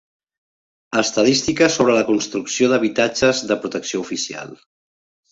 Estadística sobre la construcció d'habitatges de protecció oficial.